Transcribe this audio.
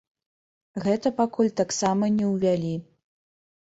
Гэта пакуль таксама не ўвялі.